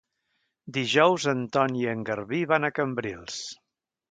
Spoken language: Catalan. Dijous en Ton i en Garbí van a Cambrils.